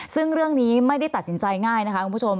ซึ่งเรื่องนี้ไม่ได้ตัดสินใจง่ายนะคะคุณผู้ชม